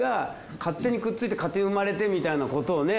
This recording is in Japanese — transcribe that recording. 勝手にくっついて勝手に生まれてみたいなことをね